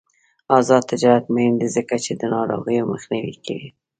آزاد تجارت مهم دی ځکه چې د ناروغیو مخنیوی کوي.